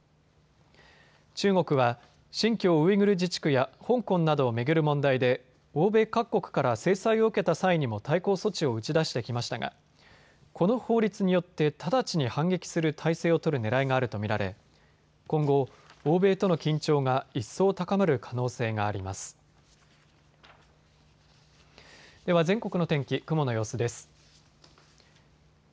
中国は新疆ウイグル自治区や香港などを巡る問題で欧米各国から制裁を受けた際にも対抗措置を打ち出してきましたがこの法律によって直ちに反撃する体制を取るねらいがあると見られ今後、欧米との緊張が一層高まる可能性があります。